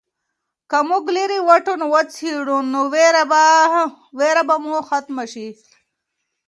که موږ لیرې واټن وڅېړو نو ویره به مو ختمه شي.